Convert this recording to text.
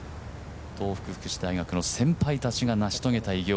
東北福祉大学の先輩たちが成し遂げた偉業。